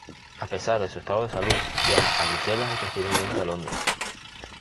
A pesar de su estado de salud, viaja a Bruselas y posteriormente a Londres.